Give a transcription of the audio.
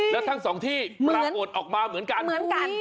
แล้วทั้งสองที่ปรากฏออกมาเหมือนกัน